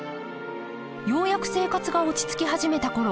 ようやく生活が落ち着き始めたころ